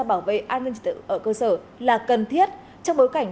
bảo vệ an ninh trật tự ở cơ sở là cần thiết trong bối cảnh